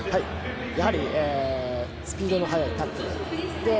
やはりスピードの速いタックル。